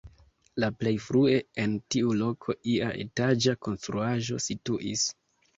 La plej frue en tiu loko ia etaĝa konstruaĵo situis.